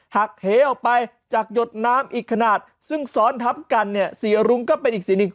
หักเหออกไปจากหยดน้ำอีกขนาดซึ่งซ้อนทับกันเนี่ยสีรุ้งก็เป็นอีกสีหนึ่ง